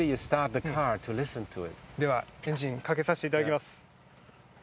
では、エンジンかけさせていただきます。